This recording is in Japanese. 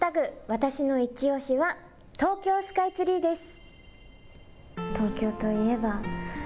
わたしのいちオシは東京スカイツリーです。